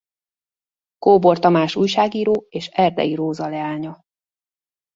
Kóbor Tamás újságíró és Erdei Róza leánya.